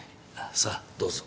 さあどうぞ。